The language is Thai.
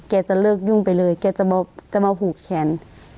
จะเลิกยุ่งไปเลยแกจะมาผูกแขน